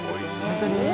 本当に？